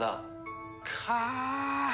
かあ！